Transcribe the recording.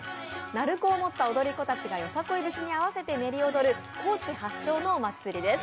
鳴子を持った踊り子たちがよさこい節に合わせて踊る高知発祥のお祭りです。